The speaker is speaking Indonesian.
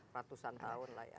ratusan tahun lah ya